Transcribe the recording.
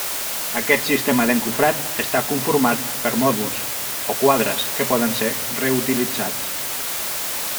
Aquest sistema d'encofrat està conformat per mòduls, o quadres, que poden ser reutilitzats.